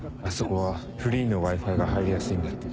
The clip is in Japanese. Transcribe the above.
あそこはフリーのＷｉ−Ｆｉが入りやすいんだ。